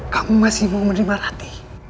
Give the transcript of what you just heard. kamu masih mau menerima roti